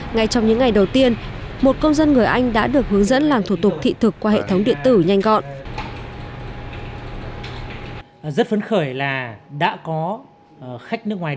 ngay trong những ngày đầu tiên một công dân người anh đã được hướng dẫn làm thủ tục thị thực qua hệ thống điện tử nhanh gọn